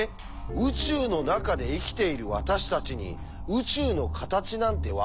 宇宙の中で生きている私たちに宇宙の形なんて分かるわけがない！？